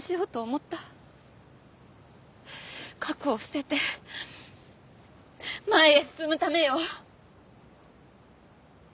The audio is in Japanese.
過去を捨てて前へ進むためよ。